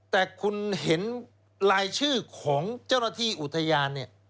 แต่คุณเห็นรายชื่อของเจ้าหน้าที่อุทยานเนี่ย